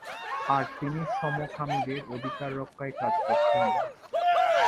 আর তিনি সমকামীদের অধিকার রক্ষায় কাজ করতেন।